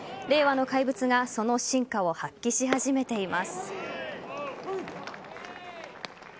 令和の怪物がその真価を発揮し始めています。